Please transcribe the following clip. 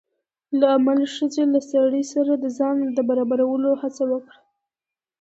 له امله ښځې له سړي سره د ځان د برابرولو هڅه کړې